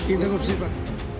ini ngurus pak